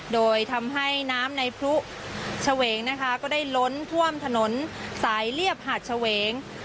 โดยทำให้น้ำในพลุเฉวงนะคะก็ได้ล้นท่วมถนนสายเรียบหาดเฉวง